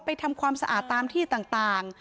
ทำความสะอาดตามที่ต่าง